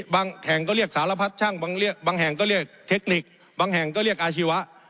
แห่งก็เรียกสารพัดช่างบางแห่งก็เรียกเทคนิคบางแห่งก็เรียกอาชีวะ